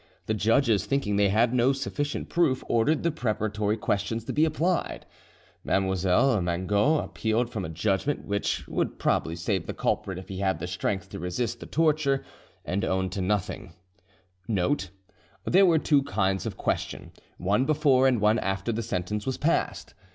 The judges thinking they had no sufficient proof, ordered the preparatory question to be applied. Mme. Mangot appealed from a judgment which would probably save the culprit if he had the strength to resist the torture and own to nothing; [Note: There were two kinds of question, one before and one after the sentence was passed.